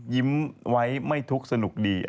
ยิ้มไว้ไม่ทุกข์สนุกดี